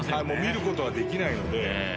もう見ることはできないので。